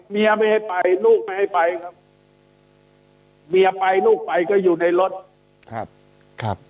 เมียไม่ให้ไปลูกไม่ให้ไปครับเมียไปลูกไปก็อยู่ในรถครับครับ